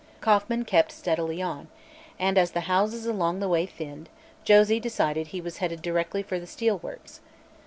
Kauffman kept steadily on, and as the houses along the way thinned, Josie decided he was headed directly for the steel works.